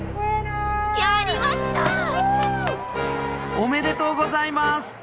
おめでとうございます！